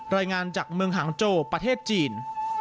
รายงานจากเมืองหางโจประเทศจีน